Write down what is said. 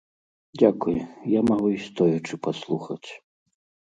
Дзякуй, я магу і стоячы паслухаць.